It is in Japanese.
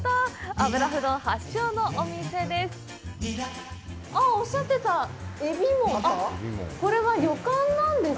油麩丼発祥のお店です。